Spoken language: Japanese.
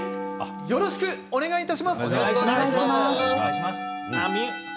よろしくお願いします。